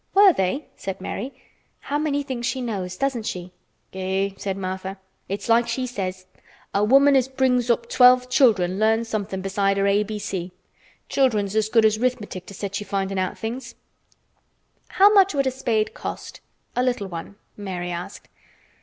"Were they?" said Mary. "How many things she knows, doesn't she?" "Eh!" said Martha. "It's like she says: 'A woman as brings up twelve children learns something besides her A B C. Children's as good as 'rithmetic to set you findin' out things.'" "How much would a spade cost—a little one?" Mary asked.